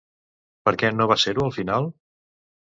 Per què no va ser-ho al final?